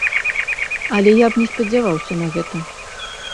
Але я б не спадзяваўся на гэта.